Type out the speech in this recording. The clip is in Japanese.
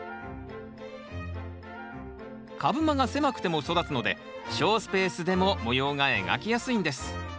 株間が狭くても育つので小スペースでも模様が描きやすいんです。